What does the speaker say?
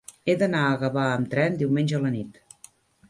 He d'anar a Gavà amb tren diumenge a la nit.